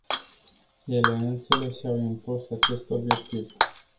Ele însele și-au impus acest obiectiv.